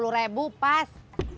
sepuluh rebu pas